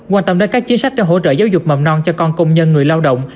quan tâm đến các chính sách để hỗ trợ giáo dục mầm non cho con công nhân người lao động